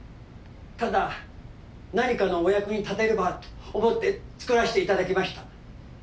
ただ何かのお役に立てればと思って作らせていただきました。